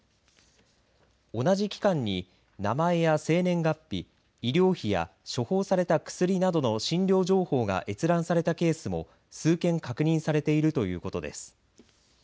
同じ期間に、名前や生年月日医療費や処方された薬などの診療情報が閲覧されたケースも数件確認されているということです。